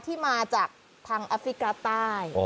ที่มาจากทางแอฟริกาใต้